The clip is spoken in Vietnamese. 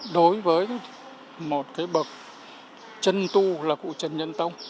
đối với một cái bậc chân tu là cụ trần nhân tông